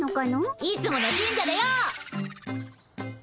いつもの神社だよ。